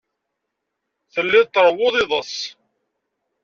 Telliḍ tṛewwuḍ iḍes.